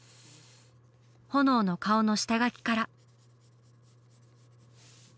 ホノオの顔の下描きから。